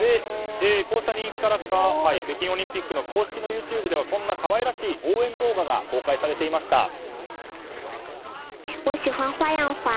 こうした人気からか北京オリンピックの公式のＹｏｕＴｕｂｅではこんな可愛らしい応援動画が公開されていました。